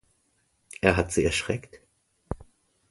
Er hat sie erschreckt.